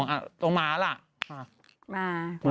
อ้าวต้องมาแล้ว